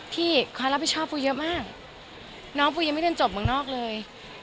ความรับผิดชอบปูเยอะมากน้องปูยังไม่เรียนจบเมืองนอกเลย